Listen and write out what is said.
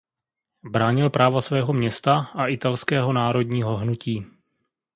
Bránil práva svého města a italského národního hnutí.